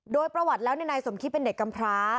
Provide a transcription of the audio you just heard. โดยประวัติแล้วนายสมคิดเป็นเด็กกำพร้า